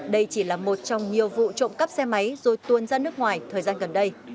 đây chỉ là một trong nhiều vụ trộm cắp xe máy rồi tuôn ra nước ngoài thời gian gần đây